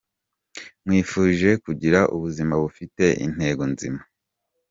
Nkwifurije kugira ubuzima bufite intego nzima.